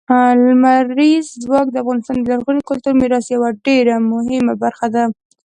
لمریز ځواک د افغانستان د لرغوني کلتوري میراث یوه ډېره مهمه برخه ده.